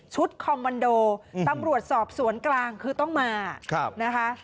คอมมันโดตำรวจสอบสวนกลางคือต้องมานะคะ